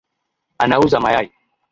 Anauza mayai